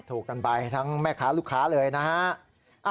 ถูกกันไปทั้งแม่ค้าลูกค้าเลยนะฮะ